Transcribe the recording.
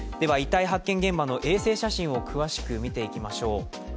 遺体発見現場の衛星写真を詳しく見ていきましょう。